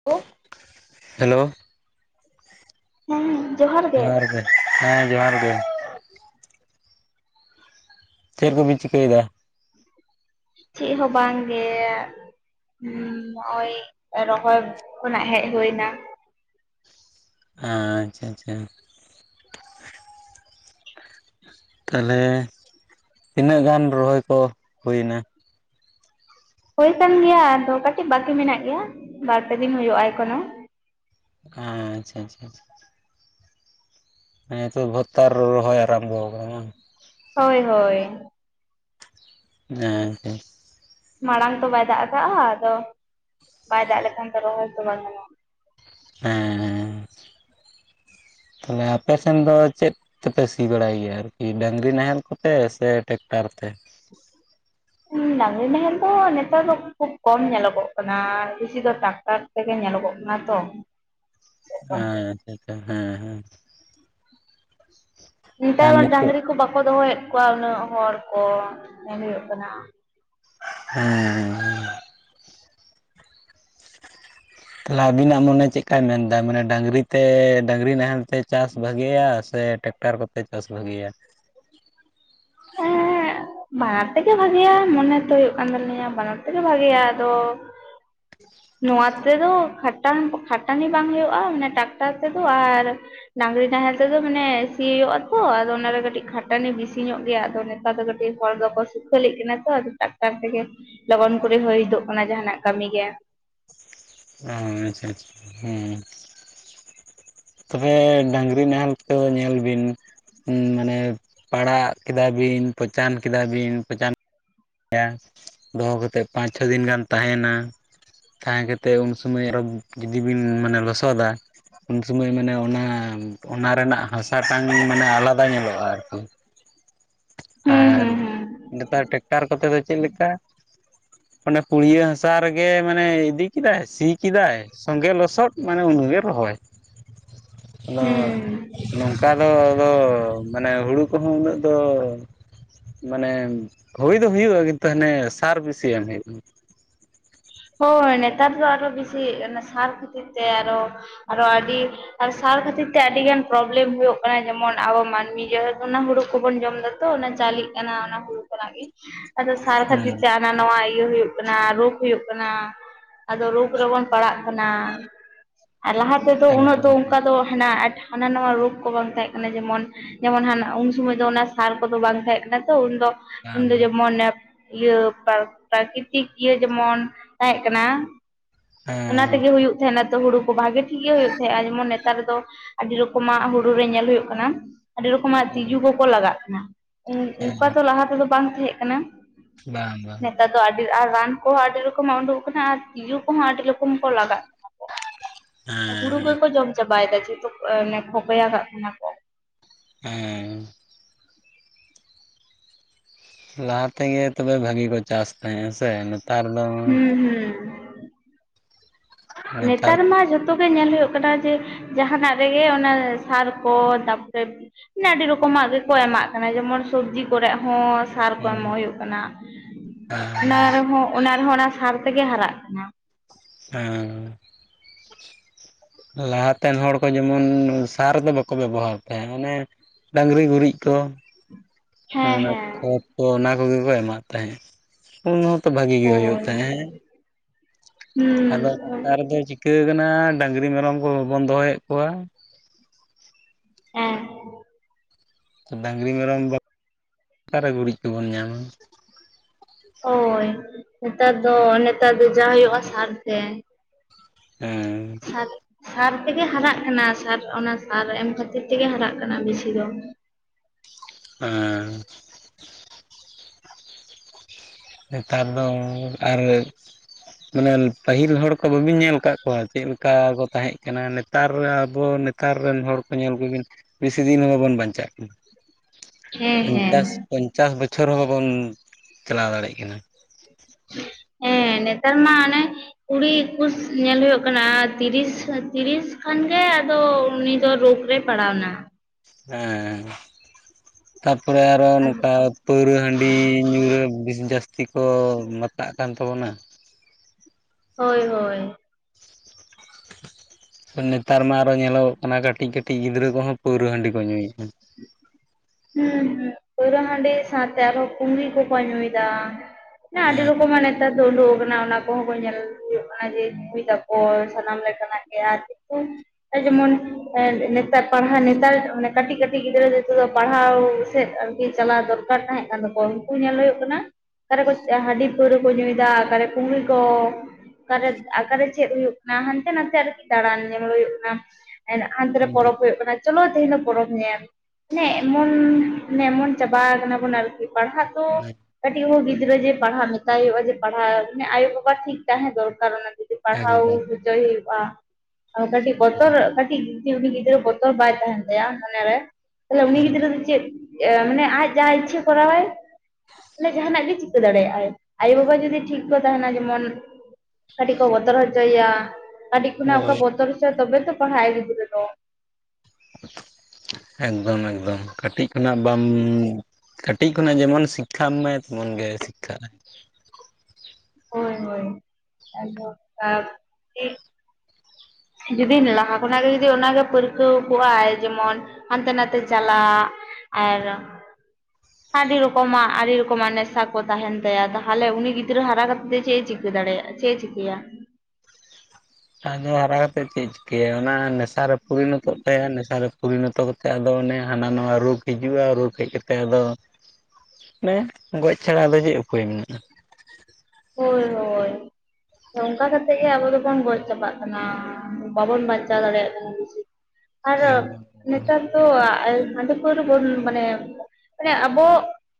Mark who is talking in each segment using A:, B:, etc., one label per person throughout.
A: [inaudible]
B: Hello.
A: ᱦᱮᱸ ᱡᱚᱦᱟᱨ
B: ᱡᱚᱸᱦᱟᱨ ᱜᱮ, ᱦᱮᱸ ᱡᱚᱸᱦᱟᱨ ᱜᱮ᱾ ᱪᱮᱫ ᱠᱚᱵᱤᱱ ᱪᱤᱠᱟᱹᱭᱮ ᱫᱟ?
A: ᱪᱮᱫ ᱦᱚᱸ ᱵᱟᱝ ᱜᱮ᱾ ᱦᱩᱸ, ᱱᱚᱜ-ᱚᱭ ᱨᱚᱦᱚᱭ ᱠᱷᱚᱱᱟᱜ ᱦᱮᱡ ᱦᱩᱭ ᱮᱱᱟ᱾
B: ᱟᱪᱪᱷᱟ ᱟᱪᱪᱷᱟ᱾ ᱛᱟᱞᱦᱮ ᱛᱤᱱᱟᱹᱜ ᱜᱟᱱ ᱨᱚᱦᱚᱭ ᱠᱚ ᱦᱩᱭᱱᱟ?
A: ᱦᱩᱭ ᱠᱟᱱ ᱜᱮᱭᱟ ᱟᱫᱚ ᱠᱟᱹᱴᱤᱡ ᱵᱟᱹᱠᱤ ᱢᱮᱱᱟᱜ ᱜᱮᱭᱟ ᱵᱟᱨ ᱯᱮ ᱫᱤᱱ ᱦᱩᱭᱩᱜᱼᱟ ᱮᱠᱷᱚᱱᱳ᱾
B: ᱟᱪᱪᱷᱟ ᱪᱷᱟ ᱪᱷᱟ᱾ ᱦᱮᱸ ᱛᱚ ᱵᱷᱚᱨ ᱛᱟᱨ ᱨᱚᱦᱚᱭ ᱟᱨᱟᱢᱵᱷᱚ ᱠᱟᱱᱟ ᱵᱟᱝ?
A: ᱦᱳᱭ ᱦᱳᱭ᱾
B: [inaudible]
A: ᱢᱟᱲᱟᱝ ᱛᱚ ᱵᱟᱭ ᱫᱟᱜ ᱟᱠᱟᱜᱼᱟ ᱟᱫᱚ, ᱵᱟᱭ ᱫᱟᱜ ᱞᱮᱠᱷᱟᱱ ᱛᱚ ᱨᱚᱦᱚᱭ ᱛᱚ ᱵᱟᱝ ᱜᱟᱱᱚᱜᱼᱟ᱾
B: ᱦᱮᱸ ᱦᱮᱸ᱾
A: [inaudible]
B: ᱛᱟᱞᱦᱮ ᱟᱯᱮ ᱥᱮᱱ ᱫᱚ ᱪᱮᱫ ᱛᱮᱯᱮ ᱥᱤ ᱵᱟᱲᱟᱭ ᱜᱮᱭᱟ ᱟᱨᱠᱤ ᱰᱟᱹᱝᱨᱤ ᱱᱟᱦᱮᱞ ᱠᱚᱛᱮ ᱥᱮ ᱴᱮᱠᱴᱟᱨ ᱛᱮ?
A: [inaudible] ᱩᱸ ᱰᱟᱝᱨᱤ ᱱᱟᱦᱮᱞ ᱫᱚ ᱱᱮᱛᱟᱨ ᱫᱚ ᱠᱷᱩᱵ ᱠᱚᱢ ᱧᱮᱞᱚᱜᱚᱜ ᱠᱟᱱᱟ ᱵᱤᱥᱤ ᱫᱚ ᱴᱟᱠᱴᱟᱨ ᱛᱮᱜᱮ ᱧᱮᱞᱚᱜᱚᱜ ᱠᱟᱱᱟ ᱛᱚ᱾
B: ᱟᱪᱪᱷᱟ ᱪᱷᱟ ᱦᱮᱸ ᱦᱮᱸ᱾
A: ᱱᱮᱛᱟᱨ
B: ᱟᱨ
A: ᱫᱚ
B: ᱱᱤᱛᱚᱜ
A: ᱰᱟᱹᱝᱨᱤ ᱠᱚ ᱵᱟᱠᱚ ᱫᱚᱦᱚᱭᱮᱫ ᱠᱚᱣᱟ ᱩᱱᱟᱹᱜ ᱦᱚᱲ ᱠᱚ ᱧᱮᱞ ᱦᱩᱭᱩᱜ ᱠᱟᱱᱟ᱾
B: ᱦᱮᱸ ᱦᱮᱸ᱾ ᱛᱟᱞᱦᱮ ᱟᱵᱤᱱᱟᱜ ᱢᱚᱱᱮ ᱪᱮᱫᱠᱟᱭ ᱢᱮᱱ ᱮᱫᱟᱭ ᱢᱟᱱᱮ ᱰᱟᱝᱨᱤ ᱛᱮ ᱰᱟᱹᱝᱨᱤ ᱱᱟᱦᱮᱞ ᱛᱮ ᱪᱟᱥ ᱵᱷᱟᱜᱮᱭᱟ ᱥᱮ ᱴᱮᱠᱴᱟᱨ ᱠᱚᱛᱮ ᱪᱟᱥ ᱵᱷᱟᱜᱮᱭᱟ?
A: ᱮᱸᱜ ᱵᱟᱱᱟᱨ ᱛᱮᱜᱮ ᱵᱷᱟᱜᱮᱭᱟ ᱢᱚᱱᱮ ᱛᱚ ᱦᱩᱭᱩᱜ ᱠᱟᱱ ᱛᱟᱞᱤᱧᱟ ᱵᱟᱱᱟᱨ ᱛᱮᱜᱮ ᱵᱷᱟᱜᱮᱭᱟ ᱟᱫᱚ ᱱᱚᱣᱟ ᱛᱮᱫᱚ ᱠᱷᱟᱴᱟᱱ ᱠᱷᱟᱴᱟᱱᱤ ᱵᱟᱝ ᱦᱩᱭᱩᱜᱼᱟ ᱢᱟᱱᱮ ᱴᱟᱠᱴᱟᱨ ᱛᱮᱫᱚ ᱟᱨ ᱰᱟᱝᱨᱤ ᱱᱟᱦᱮᱞ ᱛᱮᱫᱚ ᱢᱟᱱᱮ ᱥᱤ ᱦᱩᱭᱩᱜ-ᱟ ᱛᱚ ᱟᱫᱚ ᱚᱱᱟᱨᱮ ᱠᱟᱹᱴᱤᱡ ᱠᱷᱟᱴᱟᱱᱤ ᱵᱤᱥᱤ ᱧᱚᱜ ᱜᱮᱭᱟᱢ ᱟᱫᱚ ᱱᱮᱛᱟᱨ ᱫᱚ ᱠᱟᱹᱴᱤᱡ ᱦᱚᱲ ᱫᱚᱠᱚ ᱥᱩᱠᱷᱟᱹᱞᱤᱜ ᱠᱟᱱᱟ ᱛᱚ ᱟᱫᱚ ᱴᱟᱠᱴᱟᱨ ᱛᱮᱜᱮ ᱞᱚᱜᱚᱱ ᱠᱚᱨᱮ ᱦᱤᱛ ᱦᱚᱫᱚᱜ ᱠᱟᱱᱟ ᱡᱟᱦᱟᱱᱟᱜ ᱠᱟᱹᱢᱤ ᱜᱮ᱾
B: ᱟᱪᱪᱷᱟ ᱪᱷᱟ ᱦᱮᱸ᱾ ᱛᱚᱵᱮ ᱰᱟᱝᱨᱤ ᱱᱟᱦᱮᱞ ᱛᱚ ᱧᱮᱞ ᱵᱤᱱ ᱩᱸ ᱢᱟᱱᱮ ᱯᱟᱲᱟᱜ ᱠᱮᱫᱟ ᱵᱤᱱ ᱯᱚᱪᱟᱱ ᱠᱮᱫᱟ ᱵᱤᱱ ᱯᱚᱪᱟᱱ [inaudible] ᱫᱚᱦᱚ ᱠᱟᱛᱮᱫ ᱯᱟᱸᱪ ᱪᱷᱚ ᱫᱤᱱ ᱜᱟᱱ ᱛᱟᱦᱮᱱᱟ, ᱛᱟᱦᱮᱸ ᱠᱟᱛᱮᱫ ᱩᱱ ᱥᱩᱢᱟᱹᱭ ᱟᱨᱚ ᱡᱩᱫᱤ ᱵᱤᱱ ᱢᱟᱱᱮ ᱞᱚᱥᱚᱫᱟ ᱩᱱ ᱥᱚᱢᱚᱭ ᱢᱟᱱᱮ ᱚᱱᱟ ᱚᱱᱟ ᱨᱮᱱᱟᱜ ᱦᱟᱥᱟᱴᱟᱝ ᱢᱟᱱᱮ ᱟᱞᱟᱫᱟ ᱧᱮᱞᱚᱜᱼᱟ ᱟᱨᱠᱤ᱾
A: ᱦᱩᱸ
B: ᱟᱨ
A: ᱦᱩᱸ ᱦᱩᱸ
B: ᱱᱮᱛᱟᱨ ᱴᱮᱠᱴᱟᱨ ᱠᱚᱛᱮ ᱫᱚ ᱪᱮᱫ ᱞᱮᱠᱟ? ᱚᱸᱰᱮ ᱯᱩᱲᱤᱭᱟᱹ ᱦᱟᱥᱟ ᱨᱮᱜᱮ ᱢᱟᱱᱮ ᱤᱫᱤ ᱠᱮᱫᱟᱭ ᱥᱤ ᱠᱮᱫᱟᱭ ᱥᱚᱸᱜᱮ ᱞᱚᱥᱚᱫ ᱢᱟᱱᱮ ᱩᱱᱟᱹᱜᱮ ᱨᱚᱦᱚᱭ᱾
A: [inaudible]
B: ᱟᱫᱚ
A: ᱦᱩᱸ
B: ᱱᱚᱝᱠᱟ ᱫᱚ ᱟᱫᱚ ᱢᱟᱱᱮ ᱦᱩᱲᱩ ᱠᱚᱦᱚᱸ ᱩᱱᱟᱹᱜ ᱫᱚ ᱢᱟᱱᱮ ᱦᱩᱭ ᱫᱚ ᱦᱩᱭᱩᱜᱼᱟ ᱠᱤᱱᱛᱩ ᱦᱟᱱᱮ ᱥᱟᱨ ᱵᱮᱥᱤ ᱮᱢ ᱦᱩᱭᱩᱜ ᱠᱟᱱᱟ᱾
A: ᱦᱳᱭ ᱱᱮᱛᱟᱨ ᱫᱚ ᱟᱨᱚ ᱵᱤᱥᱤ ᱚᱱᱟ ᱥᱟᱨ ᱠᱷᱟᱹᱛᱤᱨ ᱛᱮ ᱟᱨᱚ, ᱟᱨᱚ ᱟᱹᱰᱤ ᱟᱨ ᱥᱟᱨ ᱠᱷᱟᱹᱛᱤᱨ ᱛᱮ ᱟᱹᱰᱤᱜᱟᱱ ᱯᱨᱚᱵᱞᱮᱢ ᱦᱩᱭᱩᱜ ᱠᱟᱱᱟ ᱡᱮᱢᱚᱱ ᱟᱵᱚ ᱢᱟᱹᱱᱢᱤ ᱡᱮ ᱚᱱᱟ ᱦᱩᱲᱩ ᱠᱚᱵᱚᱱ ᱡᱚᱢ ᱫᱟ ᱛᱚ ᱚᱱᱟ ᱪᱟᱣᱞᱮᱜ ᱠᱟᱱᱟ ᱚᱱᱟ ᱦᱩᱲᱩ ᱠᱚᱱᱟᱜ ᱜᱮ᱾ ᱟᱫᱚ ᱥᱟᱨ
B: ᱦᱮᱸ
A: ᱠᱷᱟᱹᱛᱤᱨ ᱛᱮ ᱟᱱᱟ ᱱᱚᱣᱟ ᱤᱭᱟᱹ ᱦᱩᱭᱩᱜ ᱠᱟᱱᱟ ᱨᱳᱜᱽ ᱦᱩᱭᱩᱜ ᱟᱫᱚ ᱨᱳᱜ ᱨᱮᱵᱚᱱ ᱯᱟᱲᱟᱜ ᱠᱟᱱᱟ᱾ ᱞᱟᱦᱟ ᱛᱮᱫᱚ ᱩᱱᱟᱹᱜ ᱫᱚ
B: ᱮᱠᱫᱚᱢ
A: ᱚᱱᱠᱟ
B: ᱮᱠᱫᱚᱢ
A: ᱫᱚ ᱦᱟᱱᱟ, ᱦᱟᱱᱟ ᱱᱟᱣᱟ ᱨᱳᱜᱽ ᱠᱚ ᱵᱟᱝ ᱛᱟᱦᱮᱸ ᱠᱟᱱᱟ ᱡᱮᱢᱚᱱ᱾ ᱡᱮᱢᱚᱱ ᱦᱟᱱᱟ ᱩᱱ ᱥᱚᱢᱚᱭ ᱫᱚ ᱚᱱᱟ ᱥᱟᱨ ᱠᱚᱫᱚ ᱵᱟᱝ ᱛᱟᱦᱮᱸ ᱠᱟᱱᱟ ᱛᱚ ᱩᱱᱫᱚ
B: ᱵᱟᱝ
A: ᱩᱱᱫᱚ ᱡᱮᱢᱚᱱᱮ ᱤᱭᱟᱹ ᱯᱨᱟ ᱯᱨᱟᱠᱨᱤᱛᱤᱠ ᱤᱭᱟᱹ ᱡᱮᱢᱚᱱ ᱛᱟᱦᱮᱸᱜ ᱠᱟᱱᱟ ᱚᱱᱟ
B: ᱵᱟᱝ
A: ᱛᱮᱜᱮ ᱦᱩᱭᱩᱜ ᱛᱟᱦᱮᱱᱟ ᱛᱚ ᱦᱩᱲᱩ ᱠᱚ ᱵᱷᱟᱜᱮ ᱴᱷᱤᱠ ᱜᱮ ᱦᱩᱭᱩᱜ ᱛᱟᱦᱮᱸᱜᱼᱟ ᱡᱮᱢᱚᱱ ᱱᱮᱛᱟᱨ ᱫᱚ ᱟᱹᱰᱤ ᱨᱚᱠᱚᱢᱟᱜ ᱦᱩᱲᱩ ᱨᱮ ᱧᱮᱞ ᱦᱩᱭᱩᱜ ᱠᱟᱱᱟ ᱟᱹᱰᱤ ᱨᱚᱠᱚᱢᱟᱜ
B: ᱦᱮᱸ
A: ᱛᱤᱡᱩ ᱠᱚᱠᱚ ᱞᱟᱜᱟᱜ ᱠᱟᱱᱟ, ᱩᱸ ᱚᱱᱠᱟ ᱛᱚ ᱞᱟᱦᱟ ᱛᱮᱫᱚ ᱵᱟᱝ ᱛᱟᱦᱮᱸᱜ ᱠᱟᱱᱟ᱾
B: ᱵᱟᱝ ᱵᱟᱝ᱾
A: ᱱᱮᱛᱟᱨ ᱫᱚ ᱟᱹᱰᱤ ᱟᱨ ᱨᱟᱱ ᱠᱚᱦᱚᱸ ᱟᱹᱰᱤ ᱨᱚᱠᱚᱢᱟᱜ ᱩᱰᱩᱠ ᱟᱠᱟᱱᱟ ᱟᱨ ᱛᱤᱡᱩ ᱠᱚᱦᱚᱸ ᱟᱹᱰᱤ ᱨᱚᱠᱚᱢ ᱠᱚ ᱞᱟᱜᱟᱜ ᱠᱟᱱᱟ ᱠᱚ,
B: ᱦᱮᱸ
A: ᱦᱩᱲᱩ
B: ᱦᱮᱸ
A: ᱜᱮᱠᱚ ᱡᱚᱢ ᱪᱟᱵᱟᱭᱮᱫᱟ ᱡᱷᱚᱛᱚ ᱚᱱᱮ ᱠᱷᱚᱠᱭᱟ ᱠᱟᱜ ᱠᱟᱱᱟ ᱠᱚ
B: ᱦᱮᱸ᱾ ᱞᱟᱦᱟ ᱛᱮᱜᱮ ᱛᱚᱵᱮ ᱵᱷᱟᱹᱜᱮ ᱠᱚ ᱪᱟᱥ ᱛᱟᱦᱮᱸᱫ, ᱦᱮᱸ ᱥᱮ? ᱱᱮᱛᱟᱨ ᱫᱚ
A: ᱦᱩᱸ ᱦᱩᱸ ᱱᱮᱛᱟᱨ ᱢᱟ ᱡᱷᱚ ᱛᱚ ᱜᱮ ᱧᱮᱞ ᱦᱩᱭᱩᱜ ᱠᱟᱱᱟ ᱡᱮ ᱡᱟᱦᱟᱱᱟᱜ ᱨᱮᱜᱮ ᱚᱱᱟ ᱥᱟᱨ ᱠᱚ ᱛᱟᱯᱚᱨᱮ ᱢᱟᱱᱮ ᱟᱹᱰᱤ ᱨᱚᱠᱚᱢᱟᱜ ᱜᱮᱠᱚ ᱮᱢᱟᱜ ᱠᱟᱱᱟ ᱡᱮᱢᱚᱱ ᱥᱚᱵᱡᱤ ᱠᱚᱨᱮ ᱦᱚᱸ ᱥᱟᱨ ᱠᱚ
B: ᱦᱮᱸ
A: ᱮᱢᱚᱜ ᱦᱩᱭᱩᱜ ᱠᱟᱱᱟ᱾ ᱚᱱᱟ ᱨᱮᱦᱚᱸ ᱚᱱᱟ ᱨᱮᱦᱚᱸ ᱚᱱᱟ ᱥᱟᱨ ᱛᱮᱜᱮ ᱦᱟᱨᱟᱜ ᱠᱟᱱᱟ᱾
B: ᱥᱮᱸ᱾ ᱞᱟᱦᱟᱛᱮᱱ ᱦᱚᱲ ᱠᱚ ᱡᱮᱢᱚᱱ ᱥᱟᱨ ᱫᱚ ᱵᱟᱠᱚ ᱵᱮᱵᱚᱦᱟᱨ ᱛᱟᱦᱮᱸᱫ ᱚᱱᱮ ᱰᱟᱝᱨᱤ ᱜᱩᱨᱤᱡ ᱠᱚ
A: ᱦᱮᱸ
B: ᱚᱱᱟ
A: ᱦᱮᱸ
B: ᱠᱷᱚᱛ ᱠᱚ ᱚᱱᱟ ᱠᱚᱜᱮ ᱠᱚ ᱮᱢᱟᱜᱫ ᱛᱟᱦᱮᱸᱫ᱾ ᱩᱱ ᱦᱚᱸᱛᱚ ᱵᱷᱟᱜᱮ ᱜᱮ ᱦᱩᱭᱩᱜ
A: ᱦᱳᱭ
B: ᱛᱟᱦᱮᱸᱫ᱾ ᱟᱫᱚ
A: ᱦᱩᱸ
B: ᱱᱮᱛᱟᱨ ᱫᱚ ᱪᱤᱠᱟᱹ ᱠᱟᱱᱟ ᱰᱟᱹᱟᱝᱨᱤ ᱢᱮᱨᱚᱢ ᱠᱚ ᱵᱟᱵᱚᱱ ᱫᱚᱦᱚᱭᱮᱫ ᱠᱚᱣᱟ᱾
A: ᱦᱮᱸ᱾
B: ᱛᱚ ᱰᱟᱹᱟᱝᱨᱤ ᱢᱮᱨᱚᱢ ᱵᱟ, ᱚᱠᱟᱨᱮ ᱜᱩᱨᱤᱡ ᱠᱚᱵᱚᱱ ᱧᱟᱢᱟ?
A: ᱦᱳᱭ, ᱱᱮᱛᱟᱨ ᱫᱚ ᱱᱮᱛᱟᱨ ᱫᱚ ᱡᱟ ᱦᱩᱭᱩᱜᱼᱟ ᱥᱟᱨ ᱛᱮ᱾
B: ᱦᱮᱸ᱾
A: ᱥᱟᱨ, ᱥᱟᱨ ᱛᱮᱜᱮ ᱦᱟᱨᱟᱜ ᱠᱟᱱᱟ ᱥᱟᱨ ᱚᱱᱟ ᱥᱟᱨ ᱮᱢ ᱠᱷᱟᱹᱛᱤᱨ ᱛᱮᱜᱮ ᱦᱟᱨᱟᱜ ᱠᱟᱱᱟ ᱵᱤᱥᱤ ᱫᱚ᱾
B: ᱦᱮᱸ᱾ ᱱᱮᱛᱟᱨ ᱫᱚ ᱟᱨ ᱢᱟᱱᱮ ᱯᱟᱹᱦᱤᱞ ᱦᱚᱲ ᱠᱚ ᱵᱟᱹᱵᱤᱱ ᱧᱮᱞ ᱟᱠᱟᱫ ᱠᱚᱣᱟ ᱪᱮᱫ ᱞᱮᱠᱟ ᱠᱚ ᱛᱟᱦᱮᱸ ᱠᱟᱱᱟ ᱱᱮ ᱛᱟᱨ ᱟᱵᱚ ᱱᱮᱛᱟᱨ ᱨᱮᱱ ᱦᱚᱲ ᱠᱚ ᱧᱮᱞ ᱠᱚᱵᱤᱱ ᱵᱮᱥᱤ ᱫᱤᱱ ᱦᱚᱸ ᱵᱟᱵᱚᱱ ᱵᱟᱧᱪᱟᱜ ᱠᱟᱱᱟ᱾
A: ᱦᱮᱸ ᱦᱮᱸ
B: ᱯᱚᱧᱪᱟᱥ ᱯᱚᱧᱪᱟᱥ ᱵᱚᱪᱷᱚᱨ ᱦᱚᱸ ᱵᱟᱵᱚᱱ ᱪᱟᱞᱟᱣ ᱫᱟᱲᱮᱜ ᱠᱟᱱᱟ᱾
A: ᱦᱮᱸ ᱱᱮᱛᱟᱨ ᱢᱟ ᱟᱱᱮ ᱠᱩᱲᱤ ᱤᱠᱩᱥ ᱧᱮᱞ ᱦᱩᱭᱩᱜ ᱠᱟᱱᱟ, ᱛᱤᱨᱤᱥ, ᱛᱤᱨᱤᱥ ᱠᱷᱟᱱ ᱜᱮ ᱟᱫᱚ ᱩᱱᱤ ᱫᱚ ᱨᱳᱜᱽ ᱨᱮ ᱯᱟᱲᱟᱣ ᱮᱱᱟ᱾
B: ᱦᱮᱸ᱾ ᱛᱟᱯᱚᱨᱮ ᱟᱨᱚ ᱱᱚᱴᱟ ᱯᱟᱹᱣᱨᱟᱹ ᱦᱟᱺᱰᱤ ᱧᱩ ᱨᱮ ᱵᱤᱥᱤ ᱡᱟᱹᱥᱛᱤ ᱠᱚ ᱢᱟᱛᱟᱜ ᱠᱟᱱ ᱛᱟᱵᱚᱱᱟ᱾
A: ᱦᱳᱭ ᱦᱳᱭ᱾
B: ᱱᱮᱛᱟᱨ ᱢᱟ ᱟᱨᱚ ᱧᱮᱞᱚᱜᱚᱜ ᱠᱟᱱᱟ ᱠᱟᱹᱴᱤᱡ ᱠᱟᱹᱴᱤᱡ ᱜᱤᱫᱽᱨᱟᱹ ᱠᱚᱦᱚᱸ ᱯᱟᱹᱣᱨᱟᱹ ᱦᱟᱺᱰᱤ ᱠᱚ ᱧᱩᱭᱮᱫᱼᱟ᱾
A: ᱦᱩᱸ ᱦᱩᱸ, ᱯᱟᱹᱣᱨᱟᱹ ᱦᱟᱺᱰᱤ ᱥᱟᱶᱛᱮ ᱟᱨᱦᱚᱸ ᱯᱝᱜᱤ ᱠᱚᱠᱚ ᱧᱩᱭᱮᱫᱟ᱾ ᱢᱟᱱᱮ ᱟᱹᱰᱤ ᱨᱚᱠᱚᱢᱟᱜ ᱱᱮᱛᱟᱨ ᱫᱚ ᱩᱰᱩᱜᱠ ᱟᱠᱟᱱᱟ, ᱚᱱᱟ ᱠᱚᱦᱚᱸ ᱠᱚ ᱧᱮᱞ ᱦᱩᱭᱩᱜ ᱠᱟᱱᱟ ᱡᱮ ᱧᱩᱭ ᱫᱟᱠᱚ ᱥᱟᱱᱟᱢ ᱞᱮᱠᱟᱱᱟᱜ ᱜᱮ ᱟᱨ [inaudible] ᱦᱮ ᱡᱮᱢᱚᱱ ᱮ ᱱᱮᱛᱟᱨ ᱯᱟᱲᱦᱟᱜ ᱱᱮᱛᱟᱨᱮ ᱚᱱᱮ ᱠᱟᱹᱴᱤᱡ ᱠᱟᱹᱴᱤᱡ ᱜᱤᱫᱽᱨᱟᱹ [inaudible] ᱯᱟᱲᱦᱟᱣ ᱥᱮᱫ ᱟᱨᱠᱤ ᱪᱟᱞᱟᱣ ᱫᱚᱨᱠᱟᱨ ᱛᱟᱦᱮᱸ ᱠᱟᱱ ᱛᱟᱠᱚᱣᱟ᱾ ᱩᱱᱠᱩ ᱧᱮᱞ ᱦᱩᱭᱩᱜ ᱠᱟᱱᱟ ᱚᱠᱟᱨᱮ ᱠᱚ ᱦᱟᱺᱰᱤ ᱯᱟᱹᱣᱨᱟᱹ ᱠᱚ ᱧᱩᱭᱫᱟ ᱚᱠᱟᱨᱮ ᱠᱩᱝᱜᱤ ᱠᱚ᱾ ᱚᱠᱟᱨᱮ ᱟᱠᱟᱨᱮ ᱪᱮᱫ ᱦᱩᱭᱩᱜ ᱠᱟᱱᱟ᱾ ᱦᱟᱱᱛᱮ ᱱᱟᱛᱮ ᱟᱨᱠᱤ ᱫᱟᱬᱟᱱ ᱧᱮᱞ ᱦᱩᱭᱩᱜ ᱠᱟᱱᱟ᱾ ᱦᱮᱱ ᱦᱟᱱᱛᱮ ᱨᱮ ᱯᱚᱨᱚᱵᱽ ᱦᱩᱭᱩᱜ ᱠᱟᱱᱟ ᱪᱚᱞᱚ ᱛᱟᱦᱮᱸᱧ ᱫᱚ ᱯᱚᱨᱚᱵᱽ ᱧᱮᱞ᱾ ᱢᱟᱱᱮ ᱮᱢᱚᱱ ᱱᱮ ᱮᱢᱚᱱ ᱪᱟᱵᱟ ᱟᱠᱟᱱᱟ ᱵᱚᱱ ᱟᱨᱠᱤ ᱯᱟᱲᱦᱟᱜ ᱫᱚ
B: [inaudible]
A: ᱠᱟᱹᱴᱤᱡ ᱦᱩ ᱜᱤᱫᱽᱨᱟᱹ ᱡᱮ ᱯᱟᱲᱦᱟᱜ ᱢᱮᱛᱟᱭ ᱦᱩᱭᱩᱜᱼᱟ᱾ ᱡᱮ ᱯᱟᱲᱦᱟᱜ ᱢᱟᱱᱮ ᱟᱭᱳ-ᱵᱟᱵᱟ ᱴᱷᱤᱠ ᱛᱟᱦᱮᱸ ᱫᱚᱨᱠᱟᱨ ᱚᱱᱟ ᱡᱩᱫᱤ ᱯᱟᱲᱦᱟᱣ
B: ᱮᱠᱫᱚᱢ
A: ᱦᱚᱪᱚᱭ ᱦᱩᱭᱩᱜᱼᱟ᱾ ᱠᱟᱹᱴᱤᱡ ᱵᱚᱛᱚᱨ ᱠᱟᱹᱴᱤᱡ ᱡᱩᱫᱤ ᱩᱱᱤ ᱜᱤᱫᱽᱨᱟᱹ ᱵᱚᱛᱚᱨ ᱵᱟᱭ ᱛᱟᱦᱮᱱ ᱛᱟᱭᱟ ᱢᱚᱱᱮᱨᱮ᱾ ᱛᱟᱦᱞᱮ ᱩᱱᱤ ᱜᱤᱫᱽᱨᱟᱹ ᱫᱚ ᱪᱮᱫ ᱟᱹ ᱢᱟᱱᱮ ᱟᱡ ᱡᱟᱦᱟᱸ ᱤᱪᱷᱟᱹ ᱠᱚᱨᱟᱣᱟᱭ ᱢᱟᱱᱮ ᱡᱟᱦᱟᱱᱟᱜ ᱜᱮ ᱪᱤᱠᱟᱹ ᱫᱟᱲᱮᱭᱟᱜ-ᱟᱭ᱾ ᱟᱭᱳᱼᱵᱟᱵᱟ ᱡᱩᱫᱤ ᱴᱷᱤᱠ ᱠᱚ ᱛᱟᱦᱮᱱᱟ ᱡᱮᱢᱚᱱ ᱠᱟᱹᱴᱤᱜ ᱠᱚ ᱵᱚᱛᱚᱨ ᱦᱚᱪᱚᱭᱮᱭᱟ, ᱠᱟᱹᱴᱤᱡ ᱠᱷᱚᱱᱟᱜ ᱚᱱᱠᱟ
B: ᱦᱳᱭ
A: ᱵᱚᱛᱚᱨ ᱦᱚᱪᱚᱭ ᱛᱚᱵᱮ ᱛᱚ ᱯᱟᱲᱦᱟᱜ-ᱟᱭ ᱜᱤᱫᱽᱨᱟᱹ ᱫᱚ᱾
B: ᱮᱠᱫᱚᱢ ᱮᱠᱫᱚᱢ ᱠᱟᱹᱴᱤᱡ ᱠᱷᱚᱱᱟᱜ ᱵᱟᱢ ᱠᱟᱹᱴᱤᱜ ᱠᱷᱚᱱᱟᱜ ᱡᱮᱢᱚᱱ ᱥᱤᱠᱠᱷᱟ ᱮᱢᱟᱭ ᱛᱚᱢᱚᱱ ᱜᱮ ᱥᱤᱠᱠᱷᱟᱼᱟᱭ᱾
A: ᱦᱚᱭ ᱦᱚᱭ᱾ ᱟᱫᱚ [unintelligible] ᱡᱩᱫᱤ ᱞᱟᱦᱟ ᱠᱷᱚᱱᱟᱜ ᱜᱮ ᱡᱩᱫᱤ ᱚᱱᱟᱜᱮ ᱯᱟᱹᱨᱠᱟᱹᱣ ᱠᱚᱜᱼᱟᱭ᱾ ᱡᱮᱢᱚᱱ ᱦᱟᱱᱛᱮ ᱱᱟᱛᱮ ᱪᱟᱞᱟᱜ ᱟᱨ ᱟᱹᱰᱤ ᱨᱚᱠᱚᱢᱟᱜ ᱟᱹᱰᱤ ᱨᱚᱠᱚᱢᱟᱜ ᱱᱮᱥᱟ ᱠᱚ ᱛᱟᱦᱮᱱ ᱛᱟᱭᱟ᱾ ᱛᱟᱦᱞᱮ ᱩᱱᱤ ᱜᱤᱫᱽᱨᱟᱹ ᱦᱟᱨᱟ ᱠᱟᱛᱮ ᱪᱮᱫ ᱮ ᱪᱤᱠᱟᱹ ᱫᱟᱲᱮᱭᱟᱜᱼᱟ ᱾ ᱪᱮᱜ ᱮ ᱪᱤᱠᱟᱹᱭᱟ?
B: ᱟᱫᱚ ᱦᱟᱨᱟ ᱠᱟᱛᱮᱜ ᱪᱮᱜ ᱪᱤᱠᱟᱹᱭᱟ? ᱚᱱᱟ ᱱᱮᱥᱟᱨᱮ ᱯᱚᱨᱤᱱᱚᱛᱚᱜ ᱛᱟᱭᱟ᱾ ᱱᱟᱥᱟᱨᱮ ᱯᱚᱨᱤᱱᱚᱛᱚ ᱠᱟᱛᱮ ᱟᱫᱚ ᱚᱱᱮ ᱦᱟᱱᱟ ᱱᱟ ᱨᱩᱜᱽ ᱦᱤᱡᱩᱜᱼᱟ᱾ ᱨᱩᱜᱽ ᱦᱮᱡ ᱠᱟᱛᱮ ᱟᱫᱚ ᱢᱟᱱᱮ, ᱜᱚᱡ ᱪᱷᱟᱲᱟ ᱫᱚ ᱪᱮᱫ ᱩᱯᱟᱹᱭ ᱢᱮᱱᱟᱜᱼᱟ ᱾
A: ᱦᱚᱭ ᱦᱚᱭ᱾ ᱟᱫᱚ ᱚᱝᱠᱟ ᱠᱟᱛᱮᱜ ᱜᱮ ᱟᱵᱚ ᱫᱚᱵᱚᱱ ᱜᱚᱡ ᱪᱟᱵᱟᱜ ᱠᱟᱱᱟ᱾ ᱵᱟᱵᱚᱱ ᱵᱟᱧᱪᱟᱣ ᱫᱟᱲᱮᱭᱟᱜ ᱠᱟᱱᱟ ᱵᱤᱥᱤ᱾ ᱟᱨᱚ ᱱᱮᱛᱟᱨ
B: ᱮᱠᱫᱚᱢ
A: ᱫᱚ ᱟ ᱦᱟᱺᱰᱤ ᱯᱟᱣᱨᱟᱹ ᱵᱳᱴᱚᱱ ᱢᱟᱱᱮ ᱢᱟᱱᱮ ᱟᱵᱚ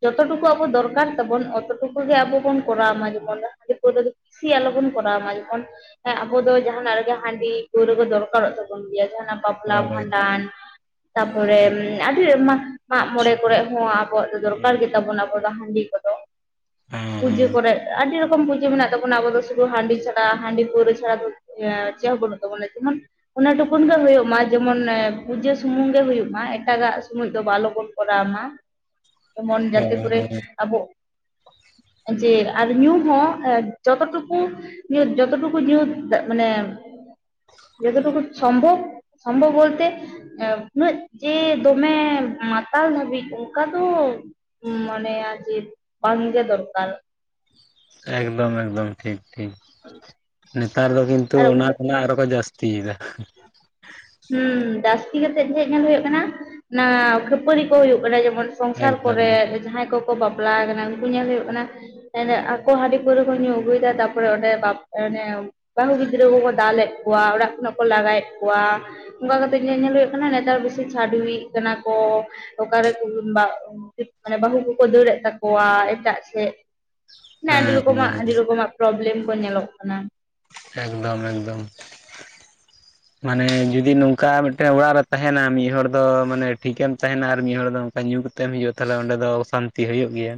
A: ᱡᱚᱛᱚ ᱴᱩᱠᱩ ᱟᱵᱚ ᱫᱚᱨᱠᱟᱨ ᱛᱟᱵᱚᱱ ᱚᱛᱚ ᱴᱩᱠᱩ ᱜᱮ ᱟᱵᱚ ᱵᱚᱱ ᱠᱚᱨᱟᱣ ᱢᱟ᱾ ᱡᱮ ᱢᱚᱱ ᱦᱟᱹᱨᱤ ᱫᱚ ᱠᱤᱥᱤ ᱟᱞᱚᱵᱚᱱ ᱠᱚᱨᱟᱣ ᱢᱟ ᱡᱮᱢᱚᱱ ᱦᱮᱸ ᱟᱵᱚ ᱫᱚ ᱡᱟᱦᱟᱸᱱᱟᱜ ᱨᱮᱜᱮ ᱦᱟᱺᱰᱤ ᱯᱟᱹᱣᱨᱟᱹ ᱫᱚᱨᱠᱟᱨᱚᱜ ᱛᱟᱵᱚᱱ ᱜᱮᱭᱟ᱾ ᱡᱟᱦᱟᱸᱱᱟᱜ ᱵᱟᱯᱞᱟ,
B: ᱮᱠᱫᱚᱢ ᱦᱳᱭ
A: ᱵᱷᱟᱸᱰᱟᱱ ᱛᱟᱯᱚᱨᱮ ᱟᱹᱰᱤ ᱮᱢᱟᱱ ᱢᱟᱜᱽ ᱢᱚᱬᱮ ᱠᱚᱨᱮ ᱦᱚᱸ ᱟᱵᱚᱣᱟᱜ ᱫᱚ
B: ᱦᱮᱸ
A: ᱫᱚᱨᱠᱟᱨ
B: ᱦᱮᱸ
A: ᱜᱮ ᱛᱟᱵᱚᱱᱟ ᱟᱵᱚ ᱫᱚ ᱦᱟᱺᱰᱤ ᱠᱚᱫᱚ᱾ ᱯᱩᱡᱟᱹ ᱠᱚᱨᱮᱜ ᱾ ᱟᱹᱰᱤ ᱨᱚᱠᱚᱢ ᱯᱩᱡᱟᱹ ᱢᱮᱱᱟᱜ ᱛᱟᱵᱚᱱᱟ, ᱟᱵᱚ ᱫᱚ ᱥᱩᱫᱩ ᱦᱟᱺᱰᱤ ᱪᱷᱟᱰᱟ ᱦᱟᱺᱰᱤ ᱯᱟᱹᱣᱨᱟᱹ ᱪᱷᱟᱲᱟ ᱫᱚ ᱮᱸ ᱪᱮᱫ ᱦᱚᱸ ᱵᱟᱹᱱᱩᱜ ᱛᱟᱵᱚᱱᱟ ᱡᱮᱢᱚᱱ ᱚᱱᱟ ᱴᱩᱠᱩᱱ ᱜᱮ ᱦᱩᱭᱩᱜ ᱢᱟ ᱡᱮᱢᱚᱱ ᱱᱮ ᱯᱩᱡᱟᱹ ᱥᱩᱢᱩᱝ ᱜᱮ ᱦᱩᱭᱩᱜ ᱢᱟ᱾ ᱮᱴᱟᱜᱟᱜ ᱥᱩᱢᱚᱭ ᱫᱚ ᱵᱟ ᱟᱞᱚᱵᱚᱱ ᱠᱚᱨᱟᱣ ᱢᱟ᱾ ᱡᱮᱡᱚᱱ ᱡᱟᱛᱮ
B: ᱦᱳᱭ
A: ᱠᱚᱨᱮ
B: ᱦᱳᱭ
A: ᱟᱵᱚ ᱡᱮ ᱟᱨ ᱧᱩ ᱦᱚᱸ ᱮ ᱡᱚᱛᱚ ᱴᱩᱠᱩ ᱡᱚᱛᱚ ᱴᱩᱠᱩ ᱧᱩ ᱢᱟᱱᱮ ᱡᱚᱛᱚ ᱴᱩᱠᱩ ᱥᱚᱢᱵᱷᱚᱵ, ᱥᱚᱢᱵᱷᱚᱵ ᱵᱚᱞᱛᱮ ᱮ ᱩᱱᱟᱹᱜ ᱡᱮ ᱫᱚᱢᱮ ᱢᱟᱛᱟᱞ ᱫᱷᱟᱹᱵᱤᱡ ᱚᱱᱠᱟ ᱫᱚ ᱩᱸ ᱢᱟᱱᱮ ᱟᱡᱮ ᱵᱟᱝᱜᱮ ᱫᱚᱨᱠᱟᱨ᱾
B: ᱮᱠᱫᱚᱢ ᱮᱠᱫᱚᱢ, ᱴᱷᱤᱠ ᱴᱷᱤᱠ, ᱱᱮᱛᱟᱨ ᱫᱚ ᱠᱤᱱᱛᱩ
A: ᱟᱨ
B: ᱚᱱᱟ
A: ᱚᱱᱠᱟ
B: ᱠᱷᱚᱱᱟᱜ ᱟᱨᱚ ᱠᱚ ᱡᱟᱹᱥ ᱛᱤ ᱮᱫᱚ ᱦᱟᱸ ᱾
A: ᱦᱩᱸ ᱡᱟᱹᱥᱛᱤ ᱠᱟᱛᱮᱜ ᱪᱮᱫ ᱧᱮᱞ ᱦᱩᱭᱩᱜ ᱠᱟᱱᱟ, ᱚᱱᱟ ᱠᱷᱟᱹᱯᱟᱹᱨᱤ ᱠᱚ ᱦᱩᱭᱩᱜ ᱠᱟᱱᱟ ᱡᱮᱢᱚᱱ ᱥᱚᱝᱥᱟᱨ
B: ᱮᱠᱫᱚᱢ
A: ᱠᱚᱨᱮ ᱡᱟᱦᱟᱸᱭ ᱠᱚᱠᱚ ᱵᱟᱯᱞᱟ ᱟᱠᱟᱱᱟ ᱩᱱᱠᱩ ᱧᱮᱞ ᱦᱩᱭᱩᱜ ᱠᱟᱱᱟ ᱮᱱᱮᱜ ᱟᱠᱚ ᱦᱟᱸᱰᱤ ᱯᱟᱹᱣᱨᱟᱹ ᱠᱚ ᱧᱩ ᱟᱹᱜᱩᱭᱫᱟ ᱛᱟᱯᱚᱨᱮ ᱚᱸᱰᱮ ᱵᱟᱯ ᱚᱱᱮ ᱵᱟᱹᱦᱩ ᱜᱤᱫᱽᱨᱟᱹ ᱠᱚᱠᱚ ᱫᱟᱞᱮᱜ ᱠᱚᱣᱟ ᱚᱲᱟᱜ ᱠᱷᱚᱱᱟᱜ ᱠᱚ ᱞᱟᱜᱟᱭᱮᱫ ᱠᱚᱣᱟ ᱚᱱᱠᱟ ᱠᱟᱛᱮᱜ ᱧᱮᱧᱮᱞ ᱦᱩᱭᱩᱜ ᱠᱟᱱᱟ ᱱᱮᱛᱟᱨ ᱵᱤᱥᱤ ᱪᱷᱟᱹᱰᱣᱤᱜ ᱠᱟᱱᱟ ᱠᱚ ᱚᱠᱟᱨᱮᱠᱚ ᱵᱟᱜ ᱴᱤᱠ ᱢᱟᱱᱮ ᱵᱟᱹᱦᱩ ᱠᱚᱠᱚ ᱫᱟᱹᱲᱮᱜ ᱛᱟᱠᱚᱣᱟ ᱮᱴᱟᱜ ᱥᱮᱜ ᱢᱟᱱᱮ ᱟᱹᱰᱤ
B: ᱦᱮᱸ
A: ᱨᱚᱠᱚᱢᱟᱜ
B: ᱦᱮᱸ
A: ᱟᱹᱰᱤ ᱨᱚᱠᱚᱢᱟᱜ ᱯᱨᱚᱵᱮᱞᱮᱢ ᱠᱚ ᱧᱮᱞᱚᱜ ᱠᱟᱱᱟ᱾
B: ᱮᱠᱫᱚᱢ ᱮᱠᱫᱚᱢ,
A: [unintelligible]
B: ᱢᱟᱱᱮ ᱡᱩᱫᱤ ᱱᱚᱝᱠᱟ ᱢᱤᱫᱴᱮᱱ ᱚᱲᱟᱜ ᱨᱮ ᱛᱟᱦᱮᱱᱟ ᱢᱤᱫ ᱦᱚᱲ ᱫᱚ ᱢᱟᱱᱮ ᱴᱷᱤᱠᱮᱢ ᱛᱟᱦᱮᱱᱟ ᱟᱨ ᱢᱤᱫ ᱦᱚᱲ ᱫᱚ ᱧᱩ ᱠᱟᱛᱮᱢ ᱦᱤᱡᱩᱜᱼᱟ ᱛᱟᱦᱚᱞᱮ ᱚᱸᱰᱮ ᱫᱚ ᱚᱥᱟᱱᱛᱤ ᱦᱳᱭᱳᱜ ᱜᱮᱭᱟ᱾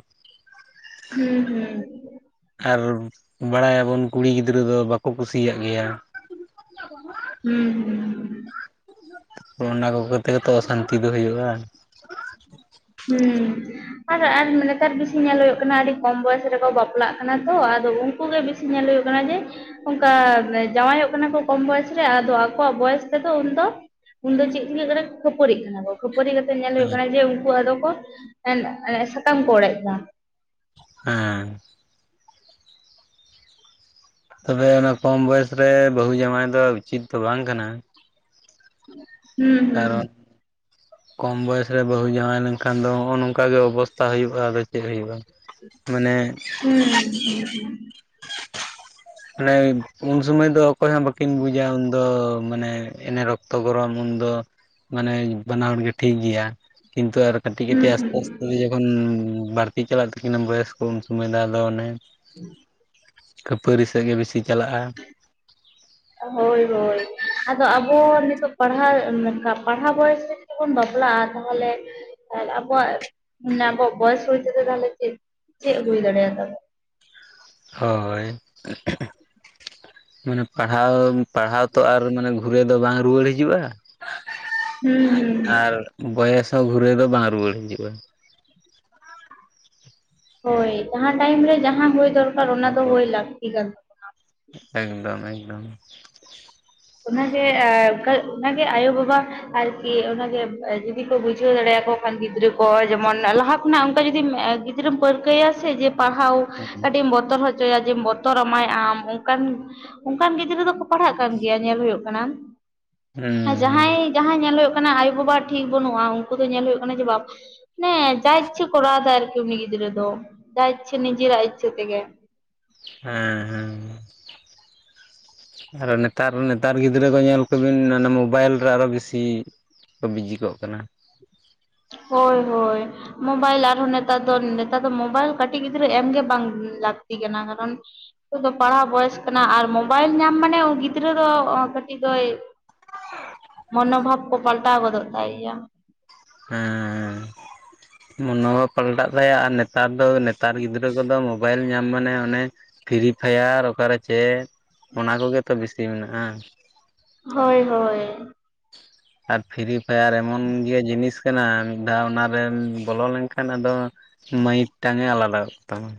A: ᱦᱩᱸ ᱦᱩᱸ,
B: ᱟᱨ ᱵᱟᱲᱟᱭᱟᱵᱚᱱ ᱠᱩᱲᱤ ᱜᱤᱫᱽᱨᱟᱹ ᱫᱚ ᱵᱟᱠᱚ ᱠᱩᱥᱤᱭᱟᱜ ᱜᱮᱭᱟ ᱾
A: ᱦᱩᱸ ᱦᱩᱸ,
B: ᱚᱱᱟ ᱠᱚ ᱜᱮ ᱛᱮ ᱜᱮ ᱛᱚ ᱚᱥᱟᱱᱛᱤ ᱫᱚ ᱦᱩᱭᱩᱜᱼᱟ
A: ᱦᱩᱸ, ᱟᱨ ᱟᱨ ᱱᱮᱛᱟᱨ ᱵᱤᱥᱤ ᱧᱮᱞ ᱦᱳᱭᱳᱜ ᱠᱟᱱᱟ ᱟᱹᱰᱤ ᱠᱚᱢ ᱵᱚᱭᱮᱥ ᱨᱮᱠᱚ ᱵᱟᱯᱞᱟᱜ ᱠᱟᱱᱟ ᱛᱚ ᱟᱫᱚ ᱩᱱ ᱩᱱᱠᱩ ᱜᱮ ᱵᱤᱥᱤ ᱧᱮᱞ ᱦᱳᱭᱳᱜ ᱠᱟᱱᱟ ᱡᱮ ᱚᱝᱠᱟ ᱡᱟᱣᱟᱭᱚᱜ ᱠᱟᱱᱟ ᱠᱚ ᱠᱚᱢ ᱵᱚᱭᱮᱥ ᱨᱮ ᱟᱫᱚ ᱟᱠᱚᱣᱟᱜ ᱵᱚᱭᱮᱥ ᱛᱮ ᱫᱚ ᱩᱱ ᱫᱚ ᱩᱱ ᱫᱚ ᱪᱮᱫ ᱪᱤᱠᱟᱹᱜ ᱠᱷᱟᱹᱯᱟᱹᱨᱤᱜ ᱠᱟᱱᱟ ᱠᱚ, ᱠᱷᱟᱹᱯᱟᱹᱨᱤ ᱠᱟᱛᱮ ᱧᱮᱞ ᱦᱳᱭᱳᱜ ᱠᱟᱱᱟ ᱡᱮ ᱩᱱᱠᱩ ᱟᱫᱚ ᱠᱚ ᱮᱱ ᱮᱸ ᱥᱟᱠᱟᱢ ᱠᱚ ᱚᱲᱮᱡ ᱫᱟ᱾
B: ᱦᱮᱸᱻ ᱛᱚᱵᱮ ᱚᱱᱟ ᱠᱚᱢ ᱵᱚᱭᱮᱥ ᱨᱮ ᱵᱟᱹᱦᱩ ᱡᱟᱹᱣᱟᱭ ᱫᱚ ᱩᱪᱤᱛ ᱫᱚ ᱵᱟᱝ ᱠᱟᱱᱟ ᱾
A: ᱦᱩᱸ ᱦᱩᱸ
B: ᱠᱟᱨᱚᱱ,
A: [unintelligible]
B: ᱠᱚᱢ ᱵᱚᱭᱮᱥ ᱨᱮ ᱵᱟᱹᱦᱩ ᱡᱟᱣᱟᱭ ᱞᱮᱱᱠᱷᱟᱱ ᱫᱚ ᱦᱚᱸᱜᱼᱚ ᱱᱚᱝᱠᱟᱜ ᱜᱮ ᱚᱵᱚᱥᱛᱷᱟ ᱦᱩᱭᱩᱜᱼᱟ, ᱟᱫᱚ ᱪᱮᱫ ᱦᱩᱭᱩᱜᱼᱟ? ᱢᱟᱱᱮ,
A: ᱦᱮᱸᱻ
B: ᱩᱱ ᱥᱩᱢᱟᱹᱭ ᱫᱚ ᱚᱠᱚᱭ ᱦᱚᱸ ᱵᱟᱹᱠᱤᱱ ᱵᱩᱡᱟ ᱩᱱᱫᱚ ᱢᱟᱱᱮ ᱮᱱᱮ ᱨᱚᱠᱛᱚ ᱜᱚᱨᱚᱢ ᱩᱱᱫᱚ, ᱢᱟᱱᱮ ᱵᱟᱱᱟ ᱦᱚᱲ ᱜᱮ ᱴᱷᱤᱠ ᱜᱮᱭᱟ ᱠᱤᱱᱛᱩ ᱟᱨ ᱠᱟᱹᱴᱤᱡ
A: ᱦᱩᱸ
B: ᱠᱟᱹᱴᱤᱡ ᱟᱥᱛᱮ,
A: ᱦᱩᱸ
B: ᱩᱱ ᱡᱚᱠᱷᱚᱱ ᱵᱟᱹᱲᱛᱤ ᱪᱟᱞᱟᱜ ᱛᱟᱹᱠᱤᱱᱟ ᱵᱚᱭᱚᱥ ᱠᱚ ᱩᱱ ᱥᱩᱢᱟᱹᱭ ᱫᱚ ᱟᱫᱚ ᱚᱱᱮ᱾
A: [unintelligible]
B: ᱠᱷᱟᱹᱯᱟᱹᱨᱤ ᱥᱮᱫ ᱜᱮ ᱵᱤᱥᱤ ᱪᱟᱞᱟᱜᱼᱟ᱾
A: ᱦᱳᱭ ᱦᱳᱭ, ᱟᱫᱚ ᱟᱵᱚ ᱱᱤᱛᱳᱜ ᱯᱟᱲᱦᱟᱜ ᱢᱮᱠᱟᱵᱽ ᱯᱟᱲᱦᱟᱣ ᱵᱚᱭᱮᱥ ᱨᱮ ᱡᱩᱫᱤ ᱵᱚᱱ ᱵᱟᱯᱞᱟᱜᱼᱟ ᱛᱟᱦᱚᱞᱮ? ᱟᱨ ᱟᱵᱚ ᱟᱜ ᱟᱵᱚᱣᱟᱜ ᱵᱚᱭᱮᱥ ᱦᱩᱭ ᱛᱟᱦᱞᱮ ᱪᱮᱫ ᱪᱮᱫ ᱦᱩᱭ ᱫᱟᱲᱮᱭᱟᱛᱟ ᱵᱚ
B: ᱦᱚᱭ, ᱢᱟᱱᱮ ᱯᱟᱲᱦᱟᱣ ᱯᱟᱲᱦᱟᱣ ᱛᱚ ᱟᱨ ᱢᱟᱱᱮ ᱜᱷᱩᱨᱟᱹ ᱫᱚ ᱵᱟᱝ ᱨᱩᱣᱟᱹᱲ ᱦᱤᱡᱩᱜᱼᱟ
A: ᱦᱩᱸ ᱦᱩᱸ
B: ᱟᱨ ᱵᱚᱭᱮᱥ ᱦᱚᱸ ᱜᱷᱩᱨᱟᱹ ᱫᱚ ᱵᱟᱝ ᱨᱩᱣᱟᱹᱲ ᱦᱤᱡᱩᱜᱼᱟ,
A: ᱦᱳᱭ ᱡᱟᱦᱟᱸᱱ ᱴᱟᱭᱤᱢ ᱨᱮ ᱡᱟᱦᱟᱸ ᱦᱩᱭ ᱫᱚᱨᱠᱟᱨ ᱚᱱᱟ ᱫᱚ ᱦᱩᱭ
B: ᱦᱳᱭ
A: ᱞᱟᱹᱠᱛᱤ ᱠᱟᱱ᱾
B: ᱮᱠᱫᱚᱢ ᱮᱠᱫᱚᱢ,
A: ᱚᱱᱟ ᱜᱮ ᱚᱠᱟ ᱚᱱᱟ ᱜᱮ ᱟᱭᱳ ᱵᱟᱵᱟ ᱟᱨᱠᱤ ᱚᱱᱟᱜᱮ ᱡᱩᱫᱤ ᱠᱚ ᱵᱩᱡᱷᱟᱹᱣ ᱫᱟᱲᱮᱭᱟ ᱠᱚ ᱠᱷᱟᱱ ᱜᱤᱫᱽᱨᱟᱹ ᱠᱚ ᱱᱚᱜ-ᱚᱜ ᱡᱮᱢᱚᱱ ᱞᱟᱦᱟ ᱠᱷᱚᱱᱟᱜ ᱚᱱᱠᱟ ᱡᱩᱫᱤᱢ ᱜᱤᱫᱽᱨᱟᱹᱢ ᱯᱟᱹᱨᱠᱟᱹᱣᱮᱭᱟ ᱥᱮ ᱡᱮ ᱯᱟᱲᱦᱟᱣ
B: ᱦᱩᱸ
A: ᱠᱟᱹᱴᱤᱡ-ᱮᱢ ᱵᱚᱛᱚᱨ ᱦᱚᱪᱚ ᱪᱚᱭᱮᱭᱟ ᱵᱚᱛᱚᱨ ᱢᱟᱭ ᱟᱢ ᱚᱱᱠᱟᱱ ᱚᱱᱠᱟᱱ ᱜᱤᱫᱽᱨᱟᱹ ᱫᱚ ᱠᱚ ᱯᱟᱲᱦᱟᱜ ᱠᱟᱱ ᱜᱮᱭᱟ ᱜᱮᱭᱟ ᱧᱮᱞ ᱦᱳᱭᱳᱜ ᱠᱟᱱᱟ
B: ᱦᱩᱸ
A: ᱟᱨ ᱡᱟᱦᱟᱸᱭ ᱡᱟᱦᱟᱸᱭ ᱧᱮᱞ ᱦᱳᱭᱳᱜ ᱠᱟᱱᱟ ᱟᱭᱳ ᱵᱟᱵᱟ ᱴᱷᱤᱠ ᱵᱟᱹᱱᱩᱜᱼᱟ ᱩᱱᱠᱩ ᱫᱚ ᱧᱮᱞ ᱦᱳᱭᱳᱜ ᱠᱟᱱᱟ ᱡᱮ ᱵᱟᱯ ᱱᱮᱸ ᱡᱟ ᱤᱪᱪᱷᱟᱹ ᱠᱚᱨᱟᱣ ᱫᱟᱭ ᱟᱨᱠᱤ ᱩᱱᱤ ᱜᱤᱫᱽᱨᱟᱹ ᱫᱚ ᱡᱟ ᱤᱪᱪᱷᱟᱹ ᱱᱤᱡᱮᱨᱟᱜ ᱤᱪᱪᱷᱟᱹ ᱛᱮ ᱜᱮ᱾
B: ᱦᱮᱸ ᱦᱮᱸ, ᱟᱨᱚ ᱱᱮᱛᱟᱨ ᱱᱮᱛᱟᱨ ᱜᱤᱫᱽᱨᱟᱹ ᱠᱚ ᱧᱮᱞ ᱠᱚᱵᱤᱱ ᱚᱱᱟ ᱢᱳᱵᱟᱭᱤᱞ ᱨᱮ ᱟᱨᱚ ᱵᱮᱥᱤ ᱾ ᱠᱚ ᱵᱤᱡᱤ ᱠᱚᱜ ᱠᱟᱱᱟ,
A: ᱦᱳᱭ ᱦᱳᱭ, ᱢᱳᱵᱟᱭᱤᱞ ᱟᱨ ᱦᱚᱸ ᱱᱮᱛᱟᱨ ᱫᱚ ᱱᱮᱛᱟᱨ ᱫᱚ ᱢᱳᱵᱟᱭᱤᱞ ᱠᱟᱹᱴᱤᱡ ᱜᱤᱫᱽᱨᱟᱹ ᱮᱢ ᱜᱮ ᱵᱟᱝ ᱞᱟᱹᱠᱛᱤ ᱠᱟᱱᱟ᱾ ᱠᱟᱨᱚᱱᱺ ᱱᱤᱛ ᱫᱚ ᱯᱟᱲᱦᱟᱣ ᱵᱚᱭᱮᱥ ᱠᱟᱱᱟ᱾ ᱟᱨ ᱢᱳᱵᱟᱭᱤᱞ ᱧᱟᱢ ᱢᱟᱱᱮ ᱜᱤᱫᱽᱨᱟᱹ ᱫᱚ ᱠᱟᱹᱴᱤᱡ ᱫᱚᱭ ᱢᱚᱱᱳ ᱵᱷᱟᱵ ᱠᱚ ᱯᱟᱞᱴᱟᱣ ᱜᱚᱫᱚᱜ ᱛᱟᱭᱜᱮᱭᱟ᱾
B: ᱦᱮᱸᱻ ᱢᱚᱱᱚᱵᱷᱟᱵ ᱦᱚᱸ ᱯᱟᱞᱴᱟᱜ ᱛᱟᱭᱟ ᱟᱨ ᱱᱮᱛᱟᱨ ᱫᱚ ᱱᱮᱛᱟᱨ ᱜᱤᱫᱽᱨᱟᱹ ᱠᱚᱫᱚ ᱢᱳᱵᱟᱭᱤᱞ ᱧᱟᱢ ᱢᱟᱱᱮ ᱚᱱᱮ ᱯᱷᱨᱤ ᱯᱷᱟᱭᱟᱨ ᱚᱠᱟ ᱨᱮ ᱪᱮᱫ ᱚᱱᱟ ᱠᱚᱜᱮ ᱛᱚ ᱵᱮᱥᱤ ᱢᱮᱱᱟᱜᱼᱟ᱾
A: ᱦᱳᱭ ᱦᱳᱭ
B: ᱟᱨ ᱯᱷᱨᱤ ᱯᱷᱟᱭᱟᱨ ᱮᱢᱚᱱ ᱜᱮ ᱡᱤᱱᱤᱥ ᱠᱟᱱᱟ, ᱢᱤᱫ ᱫᱷᱟᱣ ᱚᱱᱟᱨᱮᱢ ᱵᱚᱞᱚ ᱞᱮᱱ ᱠᱷᱟᱱ ᱟᱫᱚ ᱢᱟᱹᱭᱤᱠᱴᱟᱝ [unintelligible] ᱮ ᱟᱞᱟᱫᱟ ᱜᱚᱜ ᱠᱟᱛᱟᱢᱟ᱾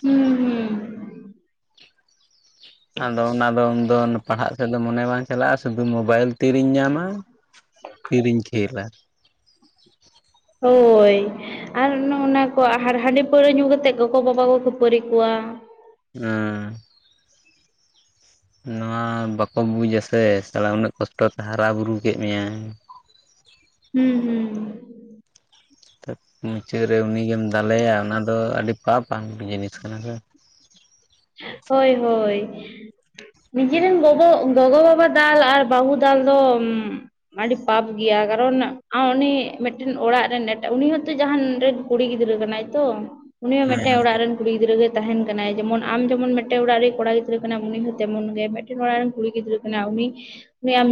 A: ᱦᱩᱸ ᱦᱩᱸ
B: ᱟᱫᱚ ᱚᱱᱟ ᱫᱚ ᱩᱱᱫᱚ ᱯᱟᱲᱦᱟᱜ ᱥᱮᱫ ᱫᱚ ᱢᱚᱱᱮ ᱵᱟᱝ ᱪᱟᱞᱟᱜᱼᱟ, ᱥᱩᱫᱷᱩ ᱢᱳᱵᱟᱭᱤᱞ ᱛᱤᱨᱤᱧ ᱧᱟᱢᱟ ᱛᱤᱨᱤᱧ ᱠᱷᱮᱞ-ᱟ᱾
A: ᱦᱳᱭ ᱟᱨ ᱚᱱ ᱚᱱᱟ ᱠᱚ ᱦᱟ-ᱦᱟᱺᱰᱤ ᱯᱟᱹᱣᱨᱟᱹ ᱧᱩ ᱠᱟᱛᱮᱫ ᱜᱚᱜᱚ ᱵᱟᱵᱟ ᱠᱚ ᱠᱷᱟᱹᱯᱟᱹᱨᱤ ᱠᱚᱣᱟ᱾
B: ᱦᱮᱸ ᱱᱚᱣᱟ ᱵᱟᱠᱚ ᱵᱩᱡᱟ ᱥᱮ ᱥᱟᱞᱟ ᱩᱱᱟᱹᱜ ᱠᱚᱥᱴᱚ ᱛᱮ ᱦᱟᱨᱟ ᱵᱩᱨᱩ ᱠᱮᱫ ᱢᱮᱭᱟᱭ,
A: ᱦᱩᱸ ᱦᱩᱸ
B: ᱢᱩᱪᱟᱹᱫ ᱨᱮ ᱩᱱᱤᱜᱮᱢ ᱫᱟᱞᱮᱭᱟ ᱚᱱᱟ ᱫᱚ ᱟᱹᱰᱤ ᱯᱟᱯ ᱟᱱ ᱡᱤᱱᱤᱥ ᱠᱟᱱᱟ ᱥᱮ᱾
A: ᱦᱳᱭ ᱦᱳᱭ ᱱᱤᱡᱮ ᱨᱮᱱ ᱜᱚᱜᱚ ᱜᱚᱜᱚ ᱵᱟᱵᱟ ᱫᱟᱞ ᱟᱨ ᱵᱟᱹᱦᱩ ᱫᱟᱞ ᱫᱚ-ᱩᱢ᱾ ᱟᱹᱰᱤ ᱯᱟᱯ ᱜᱮᱭᱟ᱾ ᱠᱟᱨᱚᱱᱺ ᱟᱸ ᱩᱱᱤ ᱢᱤᱫᱴᱮᱱ ᱚᱲᱟᱜ ᱨᱮᱱ ᱮᱴᱟᱜ ᱩᱱᱤ ᱦᱚᱸᱛᱚ ᱡᱟᱦᱟᱱ ᱮᱴ ᱠᱩᱲᱤ ᱜᱤᱫᱽᱨᱟᱹ ᱠᱟᱱᱟᱭ ᱛᱚ, ᱩᱱᱤ ᱦᱚᱸ ᱢᱤᱫᱴᱮᱱ ᱚᱲᱟᱜ ᱨᱮᱱ ᱠᱩᱲᱤ ᱜᱤᱫᱽᱨᱟᱹ ᱜᱮ ᱛᱟᱦᱮᱸᱱ ᱠᱟᱱᱟᱭ᱾ ᱡᱮᱢᱚᱱ, ᱟᱢ ᱡᱮᱢᱚᱱ ᱢᱤᱫᱴᱮᱱ ᱚᱲᱟᱜ ᱨᱮᱱ ᱠᱚᱲᱟ ᱜᱤᱫᱽᱨᱟᱹ ᱠᱟᱱᱟᱢ, ᱩᱱᱤ ᱦᱚᱸ ᱛᱮᱢᱚᱱ ᱜᱮ ᱢᱤᱫᱴᱮᱱ ᱚᱲᱟᱜ ᱨᱮᱱ ᱠᱩᱲᱤ ᱜᱤᱫᱽᱨᱟᱹ ᱠᱟᱱᱟᱭ᱾ ᱩᱱᱤ [unintelligible]